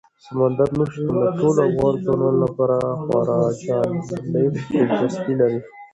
سمندر نه شتون د ټولو افغان ځوانانو لپاره یوه خورا جالب دلچسپي لري.